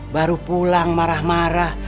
baru pulang marah marah